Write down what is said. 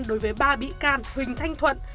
đối với ba bị can huỳnh thanh thuật